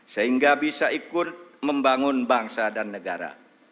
sehingga bisa ikut membangun bangsa dan negara